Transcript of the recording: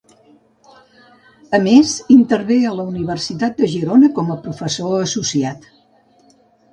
A més intervé a la Universitat de Girona com a professor associat.